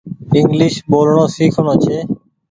انگليش ٻولڻو سيکڻو ڇي۔